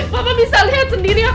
papa bisa lihat sendiri ya